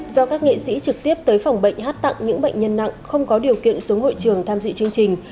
do các nghệ sĩ trực tiếp tới phòng bệnh hát tặng những bệnh nhân nặng không có điều kiện xuống hội trường tham dự chương trình